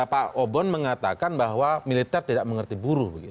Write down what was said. pak obon mengatakan bahwa militer tidak mengerti buruh